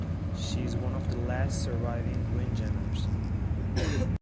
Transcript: She is one of the last surviving windjammers.